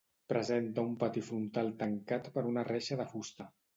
Presenta un pati frontal tancat per una reixa de fusta.